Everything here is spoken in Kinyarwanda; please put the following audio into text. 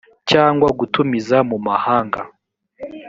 cyangwa gutumiza mu mahanga